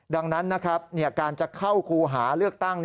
ดังนั้นนะครับการจะเข้าครูหาเลือกตั้ง